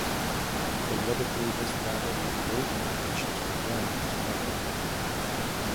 Politically, this battle had great implications for Rome as well.